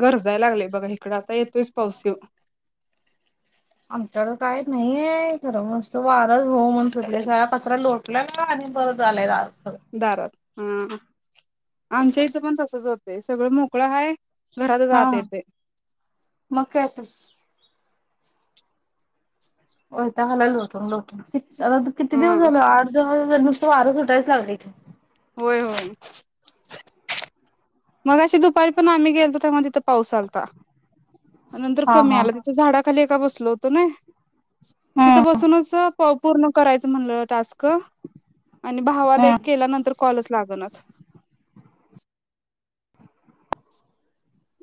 गरजायला लागलेय बघा हिकडं आता येतोयच पाऊस येऊ आमच्याकडं काय नाहीये खरं मस्त वारच हो म्हण सुटले का कचरा लोटला आणि परत आलाय दारात. सगळं. दारात. हा आमच्या इथं पण तसच होतय सगळं मोकळ हाय. घरातच हां आत हां येतंय मग काय तर. हो झाला लोटून लोटून आता किती हा दिवस झाल आठ दिवस नुसतं वारं सुटायलाच लागलय इथं होय होय. मग अशी दुपारी पण आम्ही गेलतो तेव्हा तिथं पाऊस आलता. नंतर हा कमी हा आला तिथ झाडात. खाली एका बसलो होतो नाय तिथं हम्म बसूनच अ पूर्ण करायचं म्हणलं टास्क आणि भावाला हम्म. केल्यानंतर कॉलच लागनच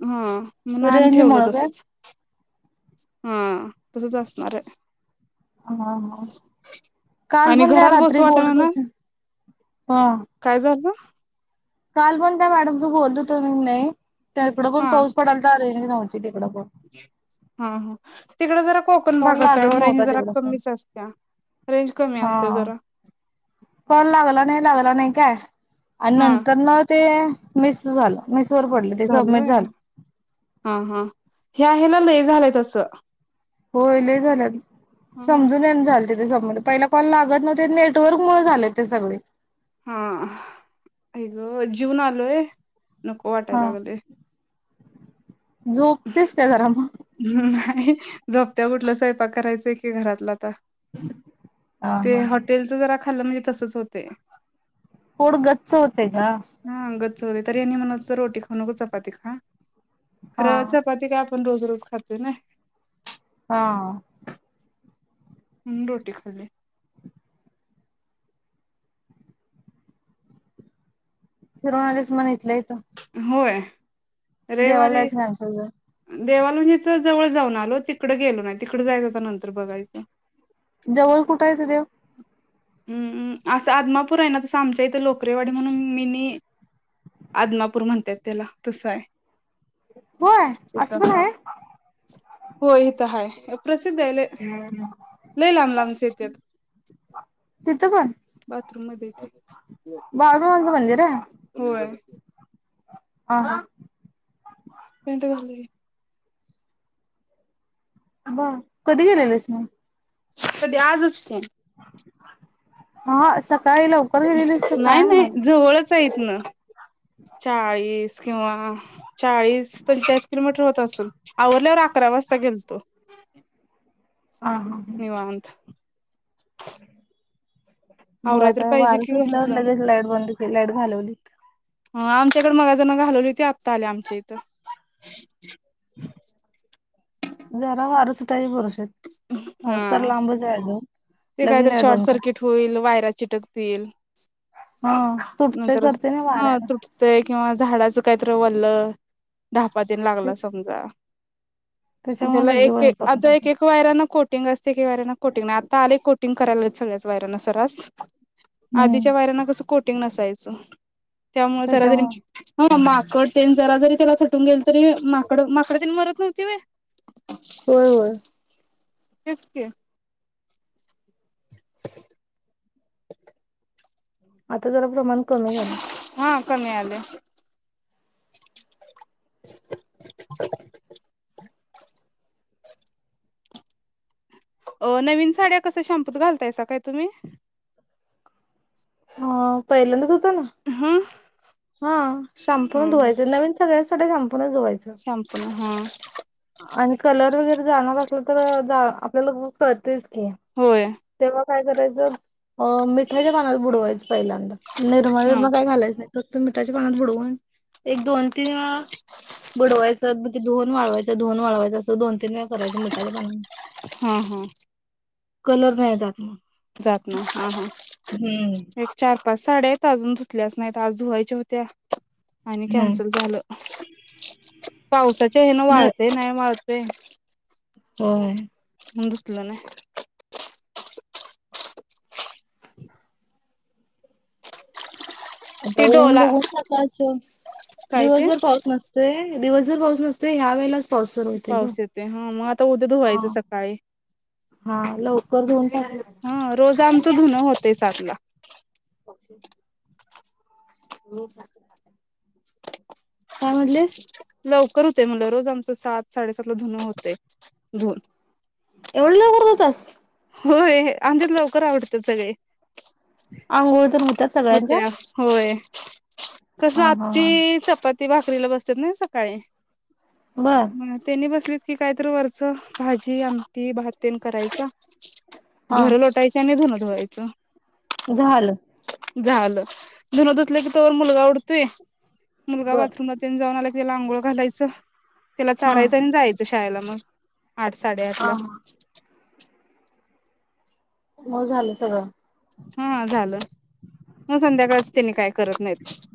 हम्म [unintelligible] ठेवलं रेंजमुळं काय? तसच हां तसच असणारय हा ह काल आणि पण काय घरात रात्री बसू वाटना बोलत ना होतीस हं काय झालं काल पण त्या मॅडमच बोलत होतो म नाही त्या इकडं पण हा पाऊस पडायला चालु नव्हती इकड पण तिकडं जरा कोकण कॉल भागाचा लागत आहे नव्हता रेंज जरा तिकडं पण. कमीच असत रेंज कमी असते हा. जरा कॉल लागला नाही लागला नाही काय आणि हा नंतर ना ते मिस झालं मिस [unintelligible] पडलं ते सबमिट झालोय झालं हा हा ह्या ह्याला लय झालंय तसं होय लय झालंत ह समजून ये झालं बं पहिला कॉल लागत नव्हता नेट हां आई हो जीवून आलोय नको हा वाटायला लागलेय झोपतेस काय जरा मग झोपतीय कुठलं स्वयंपाक करायचंय की घरातला आत्ता हा ते हा हॉटेलच जरा खालं म्हणजे तसच होते पोट गच्च हो असय का हा गच्च तर यांनी म्हटले रोटी खाऊ नको चपाती खा हा खरं चपाती काय पण रोज रोज खातो ना हां हम् रोटी खाली. फिरून आलिस मग इथल्या इथं? होय. देवालाच [unintelligible] देवाला म्हणजे जवळ जाऊन आलो तिकडं गेलो नाही. तिकडं जायचं आता नंतर बघायच. जवळ कुठंय त देव? अं, असं आदमापूर आहे ना, तसं आमच्या इथे लोकरेवाडी म्हणून मिनी आदमापूर पूर म्हणतेत त्याला तसं आहे. होय थ असं पण ह आहे हो इथं हाय प्रसिद्ध आहे लय लय लांब लांबचे येतात. तिथं पण बाथरूम मधेय ते. बाळूमामांचं मंदिर होय. [unintelligible] हं हं. [unintelligible] बा! कधी गेलेलस मग? कधी आजच की. हा स काळी लवकर गेलेलीस का काय मग? च इथन. चाळीस, किंवा चाळीस पंचाळीस किलोमीटर होत असल. आवरल्यावर अकरा वाजता गेलतो. हा हा हा. निवांत. [inaudible] बघ आवराय तर आता पाहिजे वार की सुटल्यावर घरातलं लगेच लाईट बंद केल लाईट घालवलीत. ह आमच्याकडे मगाच धरण घालवली होती. आत्ता आली आमच्या इथं. जरा वारं सुटाय भरोसा हा, ते लगे कायतर लाईट शॉर्ट बंद करतात सर्किट होईल, वायरा चिटकतील. हा तुटतंय नंतर करते ना ह वाऱ्यानं तुटतेय किंवा झाडाच काय तर ओलं, दहापा तेन लागला तेच. समजा. आणि त्याच्यामुळे त्याला लगे एक एक बंद करून आता एक टाकले. एक वायराना कोटिंग असते की. वायरना कोटिंग नाय, आता आले कोटिंग कर चालय सगळ्याच वयराना सरास. हम्म आधीच्या वायरांना कसं कोट टिंग नसायचं. त्यामुळे जरा, त्याच्यामुळं. हं माग कडतेन जरा जरी त्याला झटून गेल तरी, माकड माकडतेन मरत नव्हती व्हय? होय होय. तेच की [inaudible] आ ता जरा प्रमाण कमी झालय. हा कमी आलय अं नवीन साड्या कस शॅम्पूत घालतायसा काय तुम्ही? हा पहिल्यांदा धूत हां हा शाम्पू तुन धुवायचं नवीन सगळ्या [unintelligible] साड्या शॅम्पू न धुवायचं शॅम्पून हा आणि कलर वगैरे जाणार असलं तर जा आपल्याला बघून कळतंय की ओके होय तर मग काय करायचं? मिठाच्या पाण्यात बुडवायचं. पहिल्यांदा निर्मा हा बिरमा काय घालायच नाही. त्याच पाण्यात बुडवू एक दोन ते बुडवायचं म्हणजे धुऊन वाळवायच धुऊन वाळवायच असं दोन [unintelligible] तीन वेळा करायचं मिठाच्या पाण्यात हा हा कलर नाही जात जात नाय हं हं हम्म एक चार पाच साड्या आहेत अजून धुतल्याच नाहीत आज धुवायच्या होत्या. आणि हम्म कॅन्सल झालं. पावसात [unintelligible] च्या हेन वाळते नाही वाळते तेे होय मग धुतलं नाही आता ते ऊन डोला बघून सकाळच काय दिवस ते भर पाऊस नसतोय दिवस भर र पाऊस नसतोय ह्या वळेला पाऊस येतोय हा मग आता उद्या हा धुवायचं सकाळी. हा लवकर धुवून हा रोज आमचं टाक धुन होत सातला. हं [unintelligible] काय म्हणलिस? लवकर होते म्हणलं रोज आमच सात साडेसातला धुन होते धुवून. एवढं लवकर धुतास? होय आमच्यात लवकर आवरतात सगळे. अंघोळ तर मु होतेया होय. कसं हा हा हा आमटी, चपाती, भात [unintelligible] बसतात ना हे सकाळी बर हं त्यांनी बसले की कायतर वरच भाजी, आमटी, भाततेन करायच्या. हा घर लोटायची आणि धून धुवायचं झालं. झालं धुन धुतलं की तोवर मुलगा उडतोय. मुलगा बर बाथरूमला ते जाऊ आला की त्याला आंघोळ घालायचं. त्याला हा चारायचं आणि हा जायचंय यायला मग आठ साडेआठ ला हा. हो झालं सगळं हां झालं मग संध्याकाळच त्यांनी काय करत नाहीत.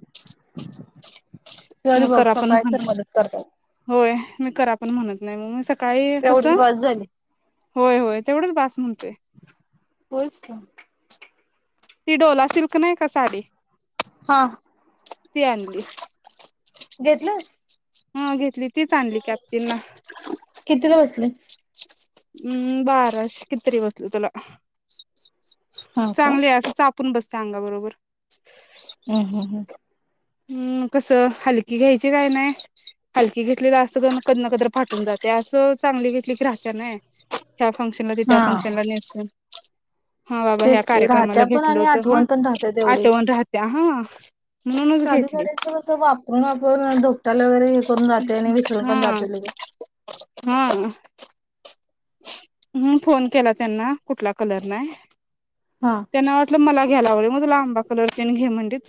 तरी मग बघ करा पण सकाळची म्हण तर मदत करतात. होय मी करा पण म्हणत नाही मग मी. काय तेवढी कसं. बास झाली होय होय तेवढंच बास म्हणतोय. होयच की. ती डोला सिल्क नाही का साडी. हा. ती आणली. घेतलंस हा घेतली. तीच आणली की आत्तींना. कितीला बसले हम्म बाराशे किती तरी बसल तिला. हा का चांगले असं चापून. चापून बसते अंगा बरोबर. हम्म हम्म हम्म हम् कसं हलकी घ्यायची काय नाही हलकी घेतलेलं असं कधी ना कधी फाटून जाते असं चांगली घे. घेतल की राहत्या नई. ह्या फंक्शन ला ते त्या हा फंक्शनला नेसुन. हा बाबा ह्या तेच की राहत्या कार्यक्रमाला पण घेतल आणि होत हा आठवण पण राहत्या तेवढीच आठवून राहत्या हा म्हणूनच साधी घेतली साड्यांचं कसं वापरून वापरून धोपटाला वगैरे हे करून जाते आणि विसरून पण हा जाते लगेच हा. हम् फोन केला त्यांना कुठला कलर नाही. हा त्यांना वाटलं मला. घ्यालागलोय मग तुला आंबा कलर तेन घे म्हणलीत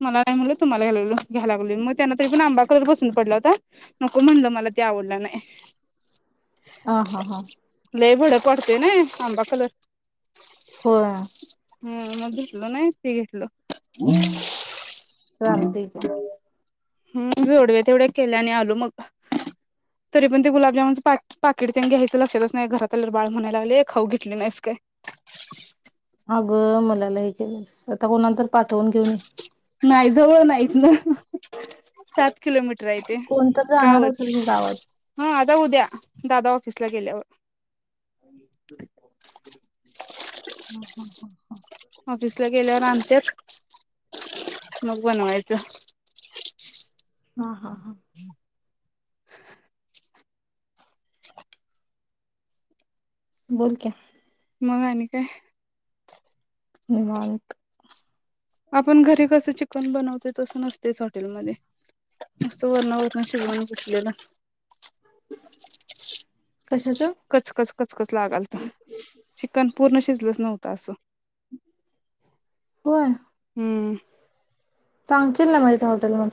मला नाही म्हणलं तुम्हाला घ्याला घ्यायलालागलोय मग त्यांना तरी पण आंबा कलर पसंत पडला होता, नको म्हणलं मला तो आवडला नाही. ह हा हा लई भडक वाटतोय नई आंबा कलर. होय हा मग घेतलो नाही ते घेतलो. चालतय की. हम जोडव्या तेवढ्या केल्या आणि आलो मग तरी पण ते गुलाबजामूनच. पाकीट पाकीट तेन घ्यायच लक्षातच नाही, घरात आल्यावर बाळ म्हणायला लागलय खाऊ घेतली नाहीस काय. अगं मला लई केलंस आता कोणाला तर. पाठवून घेऊन ये. नाही जवळ नाहीच ना त्यात. किलोमीटर आहे ते कोणत जाणार गावच असेल की गावात हा आता उद्या. दादा ऑफिसला गेल्यावर. [inaudible] ऑफिसला गेल्यावर आनत्यात मग बनवायचं. हा हा. हा [inaudible] [inaudible] बोल की. मग आणी काय. निवांत. आपण घरी कसं चिकन बनवतोय तसं नसतयच हॉटेलमध्ये नुसत वरण वरण शिजवून घेतलेलं. कशाच कचकच कचकच लागालत चिकन पूर्ण शिजलेल. त नव्हत असं होर हम्म सांगतील ना म टल म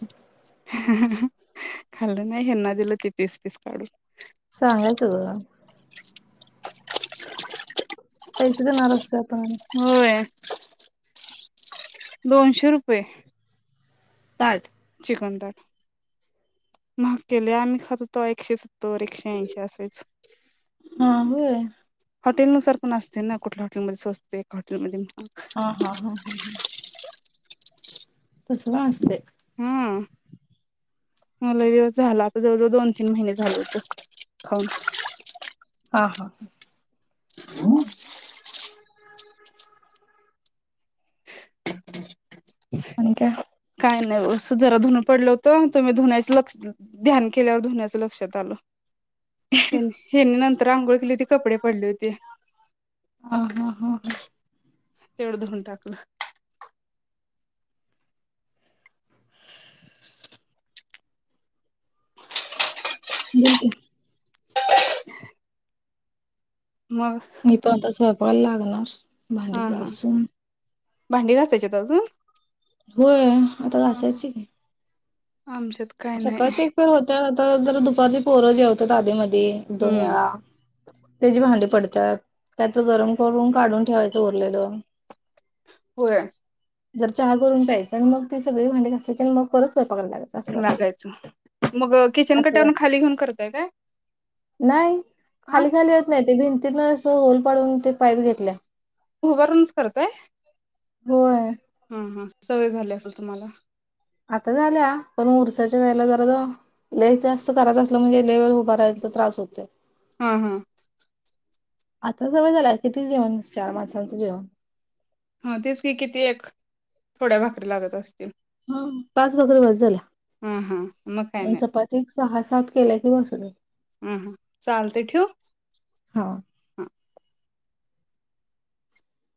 खाल्लं नाही हना दिलं ती पीस पीस काढून सांगायच ब पैसे तर नर असतात होय दोनशे रुपये पाठ म के् ख एकशे तरोर एकशे ऐंशी असेच हा होय हा हॉटेलनुसार पण असते ना कुठल्या हॉटेलमध्येचोचतेका हॉटेलमध्ये महाग हा हा हा हा हा तसलं असतयं. हा लय दिवस झाला आता जवळ जवळ दोन तीन महिने झाले होत खाऊन. हा हा ह. [inaudible] आणि काय. काय नाही उगचंस जरा धुन पडलं होतं तुम्ही धुण्याच लक्ष ध्यान केल्यावर धुण्याच लक्षात आलं. [inaudible] तर अंघोळ केली होती कपडे पडले होते. हा हा हा तेवढं धुऊन टाकलं. [unintelligible] बोल की. मग मी पण आता स्वपाक पाल लागणार. भांडी हा हा घासुन. भांडी घासायच्यात अजून. होय आता हा हा घासायची की. आमच्यात काय नाही सकाळची एक फेऱ्या होत्या र दुपारची पोर जेवत्यात आधीमधी. ते दोन हम्म वेळा त्याची भांडी पड त्यात काय तर गरम करून काढून ठेवायचं उरलेलं. होय. जरा चहा करून प्यायचं आणि मग ती सगळी भांडी घासायची आणि मग परत स्वपकाला लागायचं असं करायचं. लागायचं मग किचन असं कट्यावरणं खाली घेऊन करताय काय? नाही. हा खाली खाली येत नाहीत ते भिंतीतनं असं होल पाडून ते पाईप घेतल्या उबारूनच करताय होय. हा हा सवय झाली असेल तुम्हाला आता झाल्या पण उरसाच्या वेळेला जरा लईच जास्त करायच असला म्हणजे लइ वेळ उभारायचं त्रास होतयं हा हा आता सवय झालिया किती जेवण चार मानसांचं जेवण ह तीच की किती एक थोड्या भाकरी लागत असतील. हा पाच भाकरी बस हा हा मग काय झाल्या नाही चपाती सहा सात केल्या कि बस होतंय हा हा चालतंय ठेवू हा हा